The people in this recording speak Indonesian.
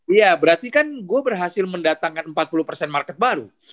iya berarti kan gue berhasil mendatangkan empat puluh market baru